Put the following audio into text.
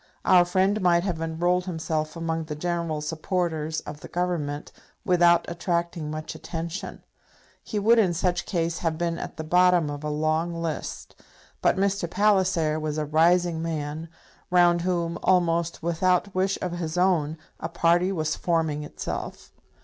Our friend might have enrolled himself among the general supporters of the Government without attracting much attention. He would in such case have been at the bottom of a long list. But Mr. Palliser was a rising man, round whom, almost without wish of his own, a party was forming itself.